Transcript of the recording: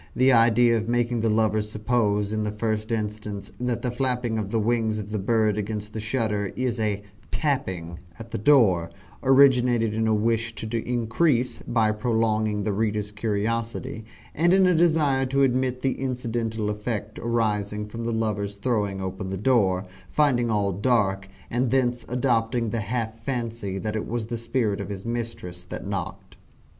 The idea of making the lover suppose, in the first instance, that the flapping of the wings of the bird against the shutter, is a "tapping" at the door, originated in a wish to increase, by prolonging, the reader's curiosity, and in a desire to admit the incidental effect arising from the lover's throwing open the door, finding all dark, and thence adopting the half fancy that it was the spirit of his mistress that knocked.